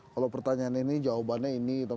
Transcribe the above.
kalau pertanyaan ini jawabannya ini